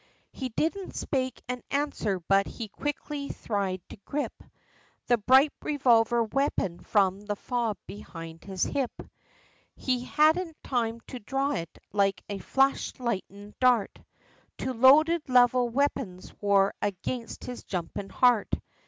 He didn't spake an answer, but he quickly thried to grip, The bright revolver waypon, from the fob, behind his hip, He hadn't time to dhraw it, like a flashin' lightenin' dart, Two loaded levelled weapons, wor against his jumpin' heart!